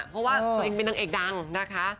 เพราะว่าตัวเองเป็นนางเอกดังนะคะ